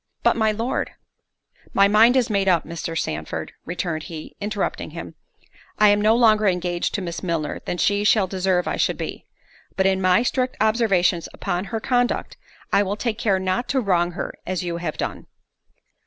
"But, my Lord——" "My mind is made up, Mr. Sandford," returned he, interrupting him; "I am no longer engaged to Miss Milner than she shall deserve I should be—but, in my strict observations upon her conduct, I will take care not to wrong her as you have done."